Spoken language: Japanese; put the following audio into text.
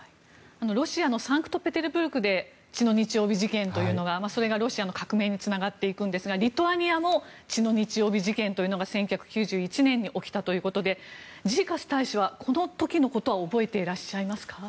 ロシアのサンクトペテルブルクで血の日曜日事件というのがそれがロシアの革命につながっていくんですがリトアニアの血の日曜日事件というのが１９９１年に起きたということでジーカス大使はこの時のことは覚えていらっしゃいますか。